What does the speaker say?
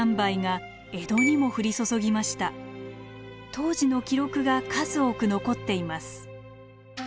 当時の記録が数多く残っています。